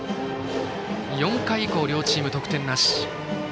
４回以降両チーム得点なし。